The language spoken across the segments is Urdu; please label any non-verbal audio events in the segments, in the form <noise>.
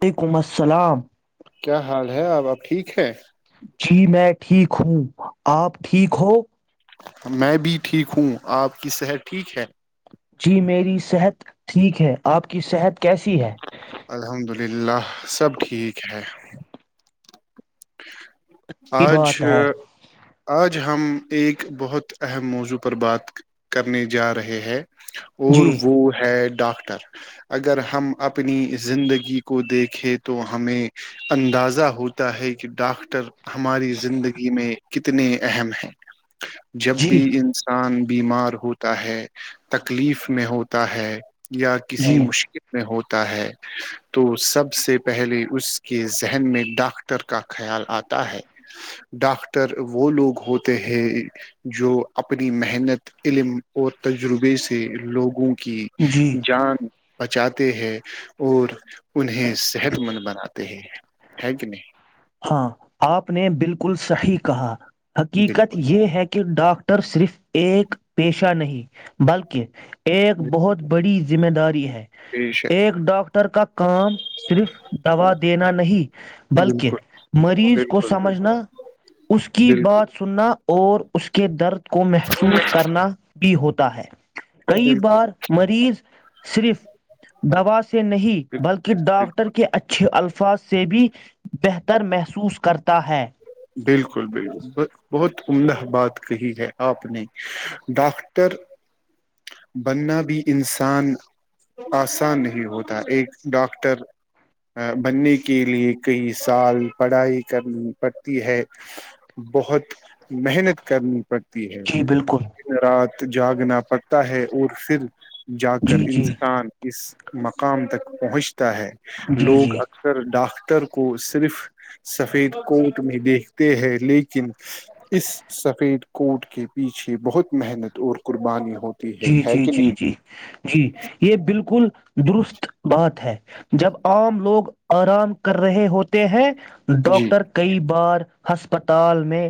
وعلیکم السلام کیا حال ہے اب اب ٹھیک ہیں جی میں ٹھیک ہوں آپ ٹھیک ہو میں بھی ٹھیک ہوں آپ کی صحت ٹھیک ہے جی میری صحت ٹھیک ہے آپ کی صحت کیسی ہے الحمد للہ سب ٹھیک ہے اچھی آج بات ہے آج ہم ایک بہت اہم موضوع پر بات کرنے جا رہے ہیں اور جی وہ ہے ڈاکٹر اگر ہم اپنی زندگی کو دیکھیں تو ہمیں اندازہ ہوتا ہے کہ ڈاکٹر ہماری زندگی میں کتنے اہم ہیں جب جی بھی انسان بیمار ہوتا ہے تکلیف میں ہوتا ہے یا کسی جی مشکل میں ہو ہے تو سب سے پہلے اس کے ذہن میں ڈاکٹر کا خیال آتا ہے ڈاکٹر وہ لوگ ہوتے ہیں جو اپنی محنت علم اور تجربے سے لوگوں کہ جی جان بچاتے ہیں اور انہیں صحت مند بناتے ہیں ہے کہ نہیں ہاں آپ نے بالکل صحیح کہا حقیقت بالکل یہ ہے کہ ڈاکٹر صرف ایک پیشہ نہیں بلکہ ایک بہت بڑی ذمہ داری ہے بے شک ایک ڈاکاکٹر کا کام صرف دوا دینا نہیں بلکہ بالکل مریض کو بالکل بالکل سمجھنا اس کی بالکل بات سننا اور اس کے درد کو محسوس کرنا بھی ہوتا ہے کئی بالکل بار مریض صرف دوا سے نہیں بلکہ بالکل۔ ڈاکٹر کے اچھے الفظ ف سے بھی بہ تر محسوس کرتا ہے بالکل بالکل بہت عمدہ بات کہی ہے آپ نے ڈاکٹر بننا بھی انسان آسان نہیں ہوتا ایک ڈاکٹر بننے کے لیے کئی سال پڑھائی کرنی ہے بہت محنت کرنی پڑتی جی بالکل <inaudible> جاگنا پڑتا ہے اور پھر جا کر جی جی انسان اس مقام تک <inaudible> ہے جی لوگ جی اکثر ڈاکخ ر کو صرف سفید کو دیکھتے ہیں لیکن اس سفید کوٹ کے پیچھے بہت محنت اور قربانیاں جی جی جی جی جی یہ بالکل درست بات ہے جب آم لوگ آرام کر رہے ہوتے ہیں جی ڈاکاکٹر کئی بار ہسپتال میں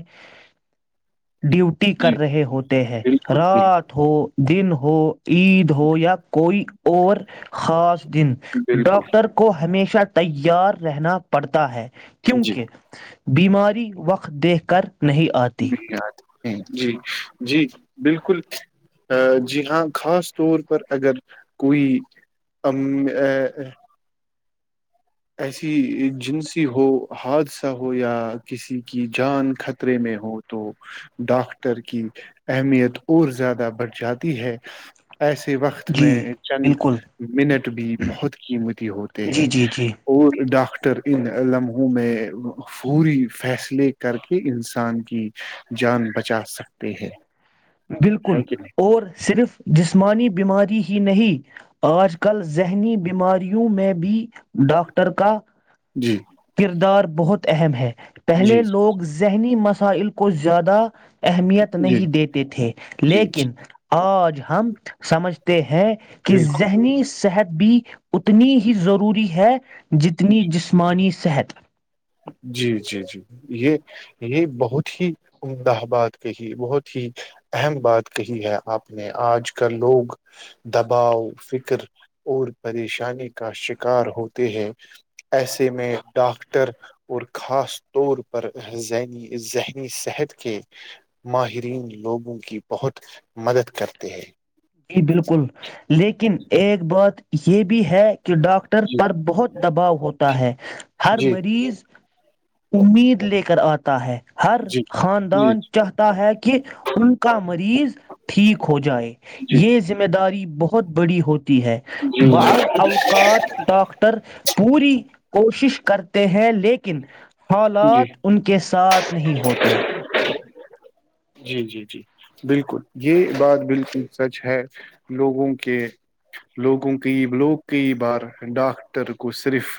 ڈیوٹی جی کر رہے ہوتے ہیں بالکل بالکل رات ہو دن ہو عید ہو یا کوئی اور خاص دن بالکل ڈاکٹر کو ہمیشہ تیار رہنا پڑتا ہے جی کیونکہ بیماری وقت دیکھ کر نہیں آتی جی جی بالکل جی ہاں خاص طور پر اگر کوئ ایسی جنسی ہو حادثہ ہو یا کسی کی جان خطرے میں ہو تو ڈاکٹر کی اہمیت اور زیادہ بڑھ جاتی ہے ایسے وقت جی میں چند بالکل منٹ بھی بہت قیمتی ہوتے جی ہیں جی جی ڈاکٹر ان لمحوں میں پوری فیصلے کر کے انسان کی جان بچا سکتے ہیں ہے بالکل کہ نہیں اور صرف جسمانی بیماری ہی نہیں آج کل ذہنی بیماریوں میں بھی ڈاکٹر کا جی کردار بہت اہم ہے پہلے جی لوگ ذہنی مص ال کو زیادہ اہمیت جی نہیں دیتے تھے جی لیکن آج ہم سمجھتے ہیں کہ بالکل ذہنی صحت بھی اتنی ہی ضروری ہے کہ جتنی جسمانی صحت جی جی جی یہ یہ بہت ہی عمدہ بات کہی ہے بہت ہی اہم بات کہی ہے آپ نے آج کل لوگ دباؤ فکر اور پریشانی کا شکار ہوتے ہیں ایسے میں ڈاکٹر اور خاص طور پر ذہنی ذہنی صحت کے ماہرین لوگوں کی بہت مدد کرتے ہیں جی بالکل لیکن ایک بات یہ بھی ہے ڈاکٹر جی پر بہت دباؤ ہوتا ہے ہر جی مریض امید لے کے کر آتا ہے ہر جی جی خاندان چاہتا ہے کہ ان کا مریض ٹھیک ہو جائے جی یہ ذمہ داری بہت بڑی ہوتی ہے جی جی بعض اوقات ڈاکٹر پوری کوشش کرتے ہیں لیکن جی حالات ان کے ساتھ نہیں ہوتے جی جی جی بالکل یہ بات بالکل سچ ہے لوگوں کے لوگوں کے لوگ کئی بار ڈاکٹر کو صرف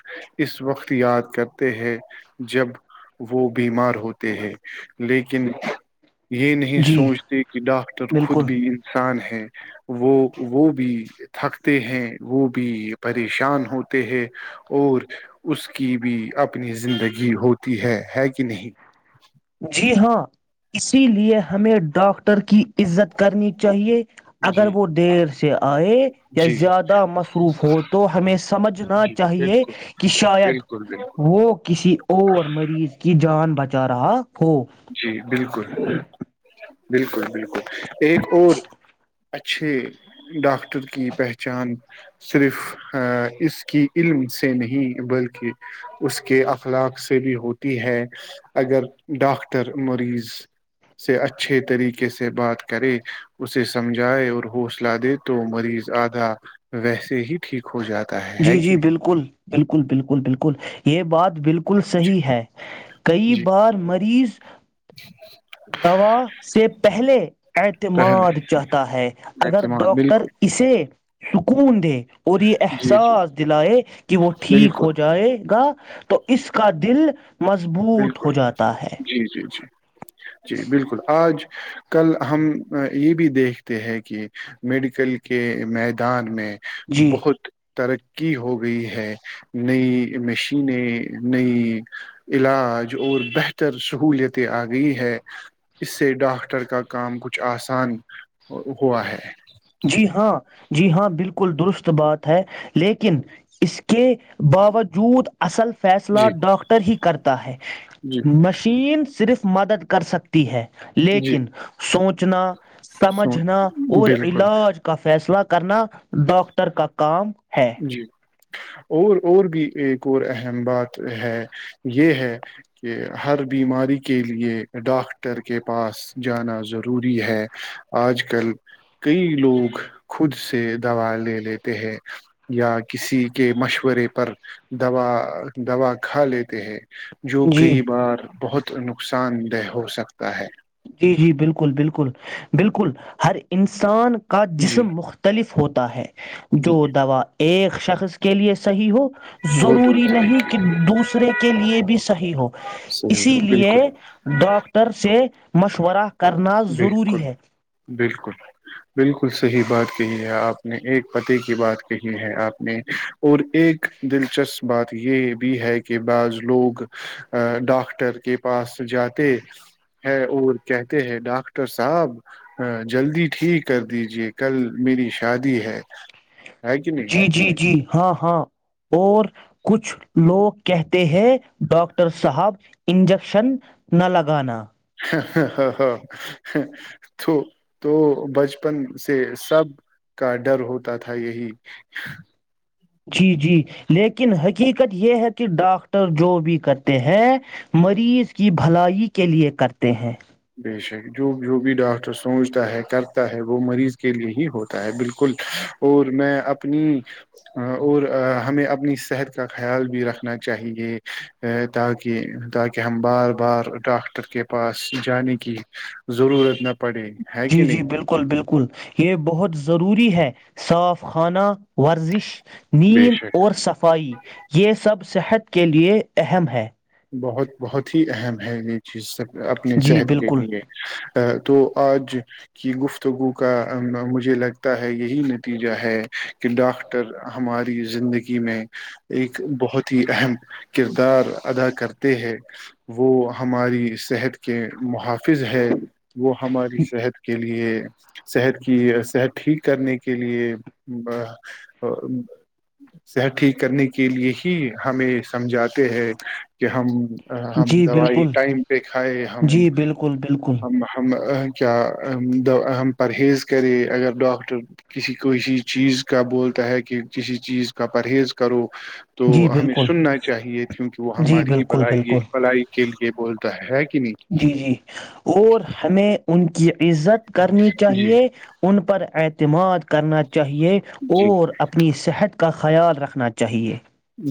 اس وقت یاد کرتے ہیں جب وہ بیمار ہوتے ہیں لیکن یہ نہیں جی سوچتے کہ ڈاکٹر خود بالکل بھی انسان ہے وہ وہ بھی تھکتے ہیں وہ بھی پریشان ہوتے ہیں اور اس کی بھی اپنی زندگی ہوتی ہے ہے کہ نہیں جی ہاں اسی لیے ہمیں ڈاکاکٹر کی عزت کرنی چاہیے اگر جی وہ دیر سے آئے یا جی زیادہ مصروف ہو تو ہمیں سمجھنا جی چاہیے بالکل کہ شاید بالکل بالکل وہ کسی اور مریض کی جان بچا رہا ہو جی بالکل بالکل بالکل ایک اور اچھے ڈاکٹر کی پہچان صرف اس کی علم سے نہیں بلکہ اس کے اخلاق سے بھی ہوتی ہے اگر ڈاکٹر ر مریض سے اچھے طریقے سے بات کرے اسے سمجھائے اور حوصلہ دے تو مریض آدھا ویسے ہی ٹھیک ہو جاتا ہے ہے جی کہ جی نہیں؟ بالکل بالکل بالکل بالکل یہ بات بالکل صحیح ہے کئی جی جی بار مریض دوا سے پہلے پہلے اعتماد چاہتا ہے اگر اعتماد ڈاکٹر بالکل اسے سکون دے اور یہ جی جی احساس دلائے کہ وہ ٹھیک ہو بالکل جائے گا تو اس کا دل مضبوط ہو بالکل جاتا ہے جی جی جی جی بالکل آج کل ہم یہ بھی دیکھتے ہیں کہ میڈیکل کے میدان میں جی بہت ترقی ہو گئی ہے نئی مشینیں نئی علاج اور بہتر سہلیتیں آ گئی ہے اس سے ڈاکٹر کا کام کچھ آسان ہوا ہے جی ہاں جی ہاں بالکل درست بات ہے لیکن اس کے کے باوجود اصل فیصلہ جی ڈاکٹر ہی کرتا ہے جی مشین صرف مدد کر سکتی ہے جی لیکن سوچ جنا سو سمجھنا اور بالکل علاج کافی فیصلہ کرنا ڈاکاکٹر کا کام ہے جی اور اور بھی ایک اور اہم بات ہے یہ ہے کہ ہر بیماری کے لیے ڈاکٹر کے پاس جانا ضروری ہے آج کل کئی لوگ خود سے دوا لے لیتے ہیں یا کسی کے مشورے پر دوا دوا کھا لیتے ہیں جو جی کئی بار بہت نقصان دہ ہو سکتا ہے جی جی بالکل بالکل بالکل ہر انسان کا جی جسم مختلف ہوتا ہوتا ہے جی جو دوا ایک شخص کے لیے صحیح ہو وہ ضروری دوسرے نہیں کے کہ لیے دوسرے کے لیے بھی صحیح ہو صحیح اسی ہو لیے بالکل ڈاکٹر سے مش ورا کرنا ضروری بالکل ہے کل صحیح بات کہی ہے آپ نے ایک پتے کی بات کہی ہے آپ نے اور ایک دلچسپ بات یہ بھی ہے کہ بعض لوگ ڈاکٹر کے پاس جاتے ہے اور کہتے ہیں ڈاکٹر صاحب جلدی ٹھیک کر دیجے کل میری شادی ہے ہے کہ نہیں جی جی جی ہاں ہاں اور کچھ لوگ کہتے ہیں ڈاکٹر صاحب انجیکشن نہ لگانا ہ ہاں تو تو بچپن سے سب کا ڈر ہوتا تھا یہی جی جی لیکن حقیقت یہ ہے کہ ڈاکٹر جو بھی کرتے ہیں مریض کی بھلائی کے لیئے کرتے ہیں بے شک جو جو بھی ڈاکٹر سوچتا ہے کرتا ہے وہ مریض کے لیے ہی ہوتا ہے بالکل اور میں اپنی اور ہمیں اپنی صحت کا خیال بھی رکھنا چاہیے تاکہ تاکہ ہم بار بار ڈاکٹر کے پاس جانے کی ضرورت نہ پڑے ہے کہ جی نہیں جی بالکل بالکل یہ بہت ضروری ہے صاف کھانا ورزش بے نیند شک اور صفائی یہ سب صحت کے لیے اہم ہے بہت بہت ہی اہم ہے یہ چیز سب اپنی جی صحت کے بالکل لیے تو آج کی گفتگو کا مجھے لگتا ہے یہی نتیجہ ہے کہ ڈاکٹر ہماری زندگی میں ایک بہت ہی اہم کردار ادا کرتے ہیں وہ ہماری صحت کے محافظ ہے وہ ہماری صحت کے لی صحت کی صحت ٹھیک کرنے کے لیے صحت ٹھیک کرنے کے لیے ہی ہمیں سمجھاتے ہیں کہ ہم <unintelligible> ہم جی دوائی بالکل ٹائم پہ کھائے ہم جی بالکل بالکل ہم ہم کیا ہم پرہیز کریں اگر ڈاکٹر کسی کوئیسی چیز کا بولتا ہے کہ کسی چیز کا پرہیز کرو تو جی ہمیں بالکل سننا چاہیے کیونکہ وہ جی ہمارے بالکل بلائی بالکل بلائی <unintelligible> لیے بولتا ہے کہ <unintelligible> جی جی اور ہمیں ان <unintelligible> کی عزت <unintelligible> کرنی جی چاہیے ان پر اعتماد کرنا چاہیے جی اور اپنی صحت کا خیال رکھنا چاہیے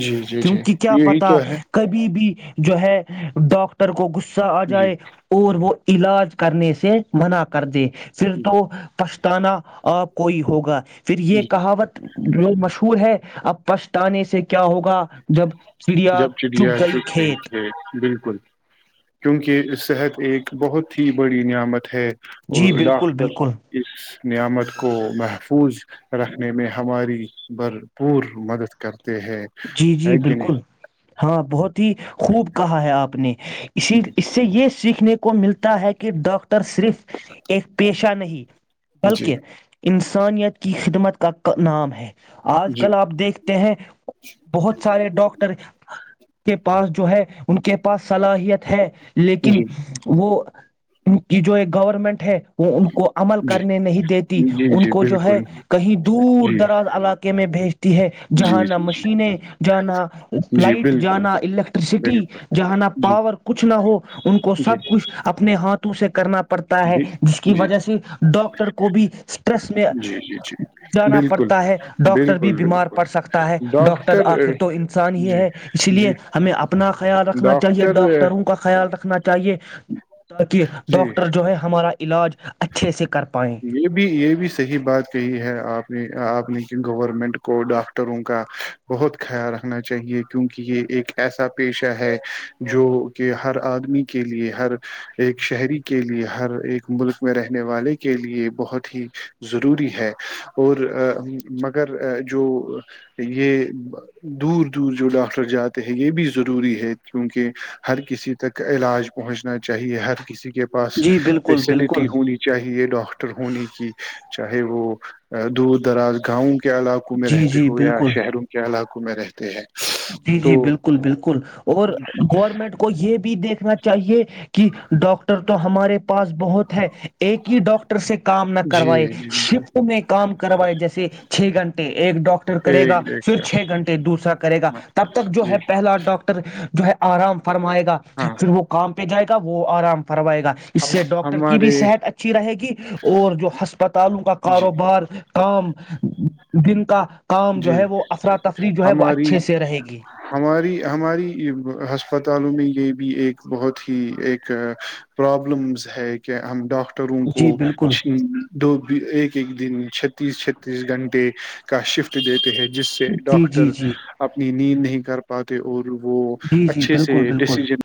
جی جی جی کیونکہ کیا یہی پتا تو ہے کبھی بھی جو ہے ڈاکٹر کو گ <unintelligible> آ جی جائے اور وہ <unintelligible> علاج کرنے سے منع کر دے پھر تو <unintelligible> پچھتانا آپ کوئی ہوگا پھر یہ جی کہاوت لو مشہور ہے اب پچھتانے سے کیا ہوگا جب چڑیا جب چڑیا گئی چگ گئے کھیت کھت <unintelligible> بالکل کیونکہ صحت ایک بہت ہی بڑی نعمت ہے اور جی بالکل ڈاکٹر بالکل اس <unintelligible> نعمت کو محفوظ رکھنے میں ہماری بھرپور مدد کر ہے جی جی ہے کہ نہیں بالکل ہاں بہت ہی خوب کہا ہے آپ نے اسی جی اس سے یہ <unintelligible> سیکھنے کو ملتا ہے کہ ڈاکٹر صرف ایک پیشہ نہیں <unintelligible> جی بلکہ <unintelligible> انسانیت کی خدمت کا نام ہے <unintelligible> آج جی کل آپ دیکھتے ہیں <unintelligible> بہت سارے ڈاکٹر کے پاس جو ہے ان کے پاس صلاحیت ہے <unintelligible> لیکن جی وہ <unintelligible> ان کی جو ایک گورنمنٹ ہے وہ ان کی <unintelligible> کو عمل جی کرنے نہیں دیتی جی ان جی کو جو ہے بالکل کہیں دور جی دراز علاقے میں بھیج <unintelligible> ہے جی جہاںانا جی جی مش <unintelligible> جانا جی لائٹ بالکل جانا الیکٹرسٹی بالکل جانا جی پاور کچھ نہ ہو ان کو جی سب کچھ اپنے ہاتھوں اسے کرنا پڑ <unintelligible> پڑتا ہے جی جس کی جی وجہ سے ڈاکٹر کو بھی سٹریس <unintelligible> جی جی جی بالکل ہے ڈاکٹر بالکل بھی بیمار بالکل پڑ سکتا ہے <unintelligible> ڈاکٹر آخر تو انسان ہی جی ہے اس لیے جی ہمیں اپنا خیال رکھنا چاہیے ڈاکٹر ڈاکٹروں کا خیال رکھنا چاہیے تاکہ جی ڈاکٹر جو ہے ہمارا <unintelligible> اچھے سے کر پائیں یہ بھی یہ بھی صحی بات کہی ہے آپ نے <unintelligible> آپ نے گورنمنٹ کو ڈاکٹروں کا بہت خیال رکھنا چاہیے کیونکہ یہ ایک ایسا پیشہ ہے جو کہ ہر آدمی کے لیے ہر ایک شہری کے لیے ہر ایک ملک <unintelligible> میں رہنے والے کے لیے بہت ہی ضروری ہے اور مگر جو یہ دور دور جو ڈاکٹر جاتے ہیں یہ بھی ضروری ہے کیونکہ ہر کسی تک علاج پہنچنا چاہیے ہر کسی <unintelligible> کے پاس جی بالکل فیسلٹی بالکل ہونی چاہیے ڈاکٹر <unintelligible> ہونے کی چاہے وہ دور دراز گاؤں کےعلاقوں میں جی رہتے جی ہو یا بالکل شہروں کے علاقوں <unintelligible> میں رہتے ہیں <unintelligible> جی تو جی بالکل بالکل اور گورنمنٹ کو یہ بھی دیکھ <unintelligible> نا چاہیے کہ ڈاکٹر تو ہمارے پاس بہت <unintelligible> ہے ایک ہی ڈاکٹر سے کام نہ جی کروائے جی شفٹ میں کام <unintelligible> کر وائے جیسے چھ گنٹے <unintelligible> ایک ڈاکٹر کرے گا ایک پھر ایک چھ گھنٹے دوسرا <unintelligible> تب تک جو جی ہے پہلا ڈاکٹر جو ہے آرام <unintelligible> فرمائےگا ہاں پھر وہ کام پے جائے گا تب وہ آرام فرمائے گا اس ہم سے ڈاکٹر کی بھی ہمارے صحت اچھی رہے گی اور جو ہسپتالوں کا جی کاروبار کام گنتا کام جو جی ہے وہ افرا تفری جو ہے وہ اچھ ہماری ہماری ہماری ہسپتالوں میں یہ بھی ایک بہت ہی ایک پرابلمز ہے کہ ہم ڈاک ٹروں کو جی بالکل دو ایک ایک دن چھتیس چھتیس گھنٹے کا شفٹ دیتے ہیں جس سے جی جی ڈاکٹر جی اپنی <unintelligible> اچھے سے ڈسیزن <unintelligible>